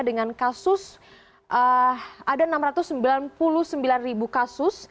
dengan kasus ada enam ratus sembilan puluh sembilan ribu kasus